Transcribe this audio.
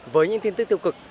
với những tin tức tiêu cực